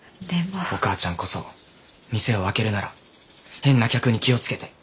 お母ちゃんこそ店を開けるなら変な客に気を付けて。